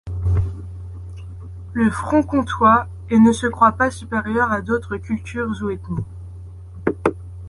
Le Front Comtois et ne se croient pas supérieurs à d'autres cultures ou ethnies.